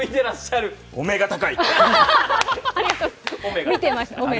お目が高い！